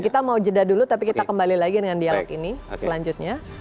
kita mau jeda dulu tapi kita kembali lagi dengan dialog ini selanjutnya